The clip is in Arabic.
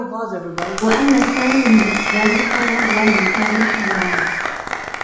وَأَمَّا الثَّانِي مِنْ أَسْبَابِهَا وَهُوَ نِتَاجُ الْحَيَوَانِ